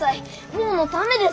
坊のためですき。